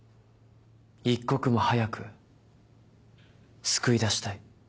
一刻も早く救い出したい。